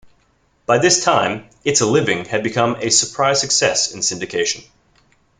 By this time, "It's a Living" had become a surprise success in syndication.